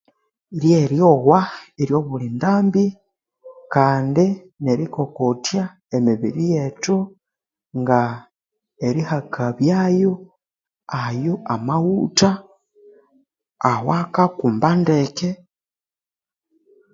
Lye ryogha eryo buli ndambi kandi neri kokothya emibiri yethu nga erihakabyayo ayu amaghutha awa kakumba ndeke